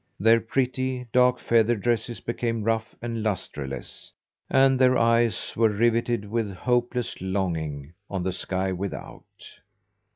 Their pretty, dark feather dresses became rough and lustreless, and their eyes were riveted with hopeless longing on the sky without.